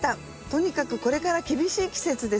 とにかくこれから厳しい季節です。